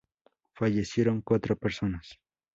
Fallecieron cuatro personas.